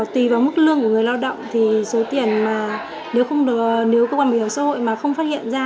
tùy vào mức lương của người lao động số tiền nếu cơ quan bảo hiểm xã hội không phát hiện ra